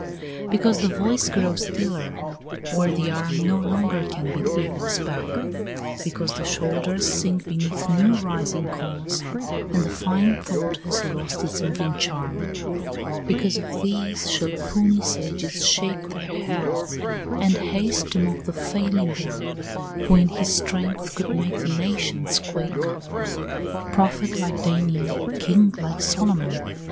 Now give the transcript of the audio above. Because the voice grows stiller, or the arm No longer can beat evils back; because The shoulders sink beneath new rising cause, And the fine thought has lost its moving charm; Because of these shall puny sages shake Their heads, and haste to mock the failing one, Who in his strength could make the nations quake; Prophet like Daniel, King like Solomon!